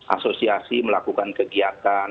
asosiasi melakukan kegiatan